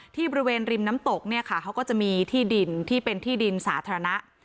ที่บริเวณริมน้ำตกเนี่ยค่ะเขาก็จะมีที่ดินที่เป็นที่ดินสาธารณะ